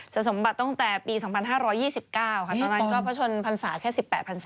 จะสมบัติตั้งแต่ปี๒๕๒๙ค่ะตอนนั้นก็ผชลพันศาสตร์แค่๑๘พันศาสตร์